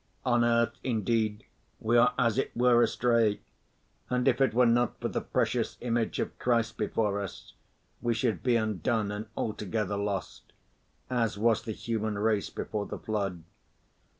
On earth, indeed, we are as it were astray, and if it were not for the precious image of Christ before us, we should be undone and altogether lost, as was the human race before the flood.